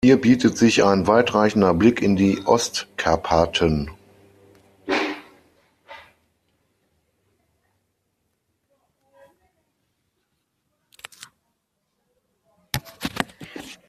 Hier bietet sich ein weitreichender Blick in die Ostkarpaten.